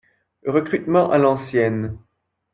Recrutement à l’ancienne.